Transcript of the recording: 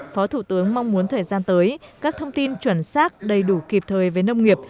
phó thủ tướng mong muốn thời gian tới các thông tin chuẩn xác đầy đủ kịp thời với nông nghiệp